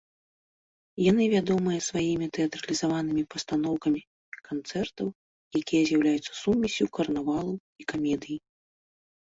Яны вядомыя сваімі тэатралізаванымі пастаноўкамі канцэртаў, якія з'яўляюцца сумессю карнавалу і камедыі.